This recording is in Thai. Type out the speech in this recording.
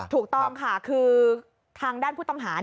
ถูกต้องค่ะคือทางด้านผู้ต้องหา